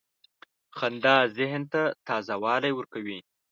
• خندا ذهن ته تازه والی ورکوي.